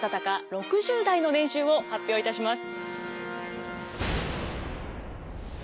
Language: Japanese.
６０代の年収を発表いたします。